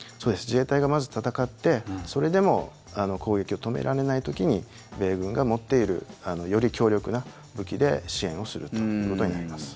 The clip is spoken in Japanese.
自衛隊がまず戦ってそれでも攻撃を止められない時に米軍が持っているより強力な武器で支援をするということになります。